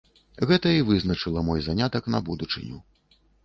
Гэта і вызначыла мой занятак на будучыню.